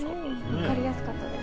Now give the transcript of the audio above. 分かりやすかったです。